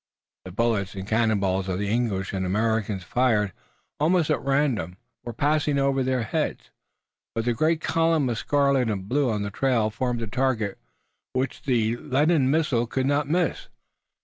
The bullets and cannon balls of the English and Americans fired almost at random were passing over their heads, but the great column of scarlet and blue on the trail formed a target which the leaden missiles could not miss.